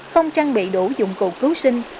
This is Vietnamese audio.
không trang bị đủ dụng cụ cứu sinh